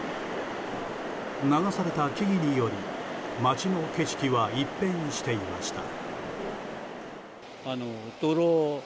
流された木々により町の景色は一変していました。